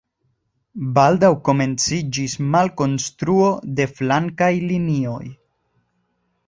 Baldaŭ komenciĝis malkonstruo de flankaj linioj.